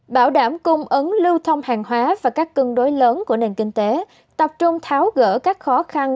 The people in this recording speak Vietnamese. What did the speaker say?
bảo đảm cung ứng lưu thông hàng hóa và các cân đối lớn của nền kinh tế tập trung tháo gỡ các khó khăn